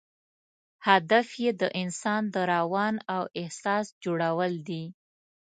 هدف یې د انسان د روان او احساس جوړول دي.